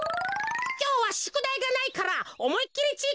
きょうはしゅくだいがないからおもいっきりちぃ